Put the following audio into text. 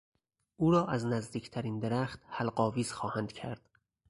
او را از نزدیکترین درخت حلق آویز خواهند کرد.